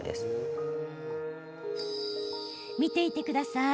見ていてください。